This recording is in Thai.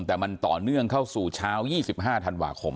แต่มันต่อเนื่องเข้าสู่เช้า๒๕ธันวาคม